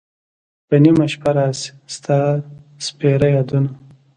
په نیمه شپه را شی ستا سپیره یادونه